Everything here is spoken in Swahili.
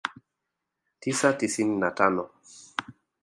tisa tisini na tano